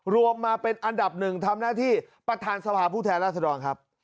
รวมมาเป็นอันดับหนึ่งทำหน้าที่ประธานสภาผู้แทนราษฎรครับ